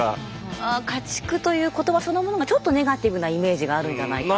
家畜という言葉そのものがちょっとネガティブなイメージがあるんじゃないか。